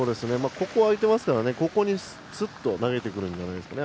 ここは空いていますからここにスッと投げてくるんじゃないですかね。